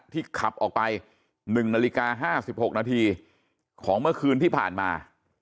ที่ขับออกไปหนึ่งนาฬิกาห้าสิบหกนาทีของเมื่อคืนที่ผ่านมา